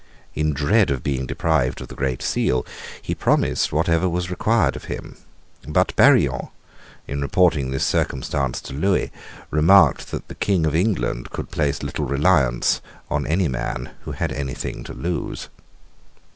In dread of being deprived of the Great Seal, he promised whatever was required of him: but Barillon, in reporting this circumstance to Lewis, remarked that the King of England could place little reliance on any man who had any thing to lose.